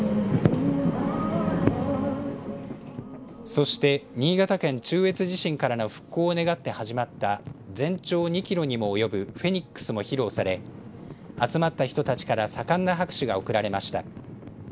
そして、新潟県中越地震からの復興を願って始まった全長２キロにも及ぶフェニックスも披露され集まった人たちから盛んな拍手が送られました。